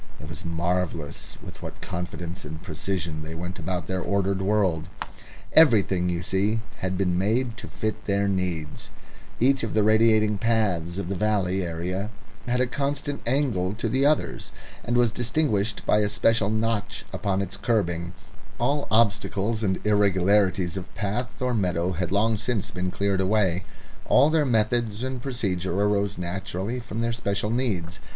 It was marvellous with what confidence and precision they went about their ordered world. Everything, you see, had been made to fit their needs; each of the radiating paths of the valley area had a constant angle to the others, and was distinguished by a special notch upon its kerbing; all obstacles and irregularities of path or meadow had long since been cleared away; all their methods and procedure arose naturally from their special needs.